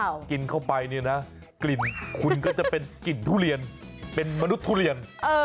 ถ้ากินเข้าไปเนี่ยนะกลิ่นคุณก็จะเป็นกลิ่นทุเรียนเป็นมนุษย์ทุเรียน